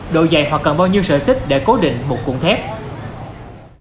độ dày hoặc cần bao nhiêu sợi xích để cố định một cuộn thép